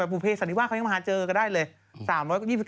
พูดเพชรสันนิว่าเขายังมาเจอก็ได้เลย